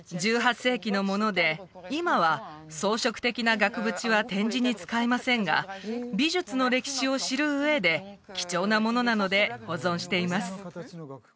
１８世紀のもので今は装飾的な額縁は展示に使いませんが美術の歴史を知る上で貴重なものなので保存しています